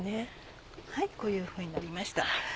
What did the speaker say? こういうふうになりました。